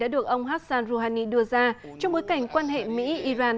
được ông hassan rouhani đưa ra trong bối cảnh quan hệ mỹ iran